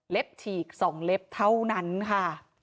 เล็บฉีกสองเล็บเท่านั้นค่ะ